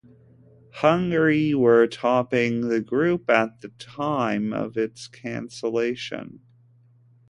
Hungary were topping the group at the time of its cancellation.